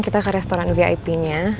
kita ke restoran vip nya